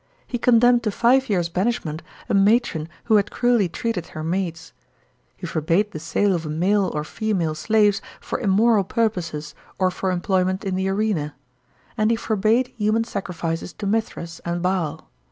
He condemned to five years' banishment a matron who had cruelly treated her maids. He forbade the sale of male or female slaves for immoral purposes or for employment in the arena; and he forbade human sacrifices to Mithras and Baal.